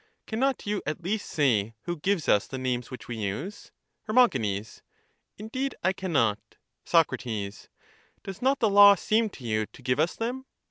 Cannot you at least say who gives us the names which we use? Her. Indeed I cannot. Soc. Does not the law seem to you to give us them?